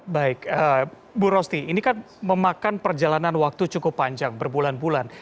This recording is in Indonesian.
baik bu rosti ini kan memakan perjalanan waktu cukup panjang berbulan bulan